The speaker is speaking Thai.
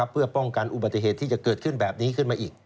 เพื่อป้องกันอุบัติเหตุที่จะเกิดขึ้นแบบนี้ขึ้นมาอีก